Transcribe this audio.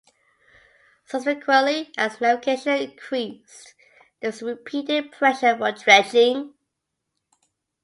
Subsequently, as navigation increased, there was repeated pressure for dredging.